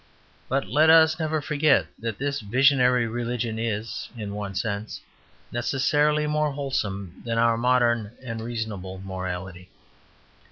But let us never forget that this visionary religion is, in one sense, necessarily more wholesome than our modern and reasonable morality.